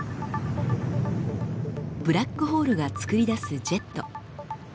ブラックホールが作り出すジェット。